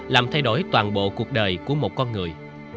làm thay đổi toàn bộ cuộc đời của một con người